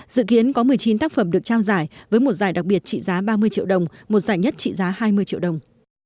dự kiến có một mươi chín tác phẩm được trao giải với một giải đặc biệt trị giá ba mươi triệu đồng một giải nhất trị giá hai mươi triệu đồng